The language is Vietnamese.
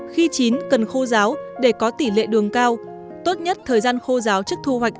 khi chín cần khô ráo để có tỉ lệ đường cao tốt nhất thời gian khô ráo trước thu hoạch khoảng hai tháng